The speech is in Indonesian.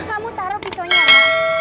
kamu taruh pisaunya ra